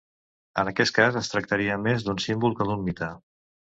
En aquest cas es tractaria més d'un símbol que d'un mite.